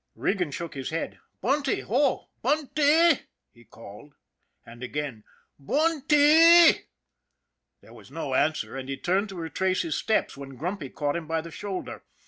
Regan shook his head. " Bunty ! Ho, Eunt ee! " he called. And again: "Run tee!" There was no answer, and he turned to retrace his steps when Grumpy caught him by the shoulder.